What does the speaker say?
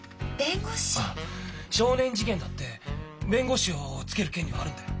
少年事件だって弁護士をつける権利があるんだよ。